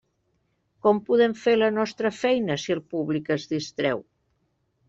Com podem fer la nostra feina si el públic es distreu?